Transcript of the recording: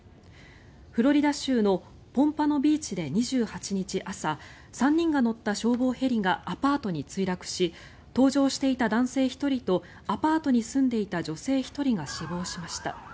フロリダ州のポンパノビーチで２８日朝３人が乗った消防ヘリがアパートに墜落し搭乗していた男性１人とアパートに住んでいた女性１人が死亡しました。